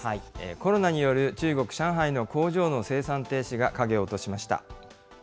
コロナによる中国・上海の工場の生産停止が影を落としました。